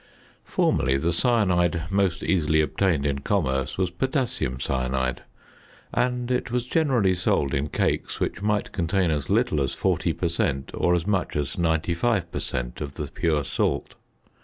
Formerly, the cyanide most easily obtained in commerce was potassium cyanide; and it was generally sold in cakes which might contain as little as 40 per cent. or as much as 95 per cent. of the pure salt.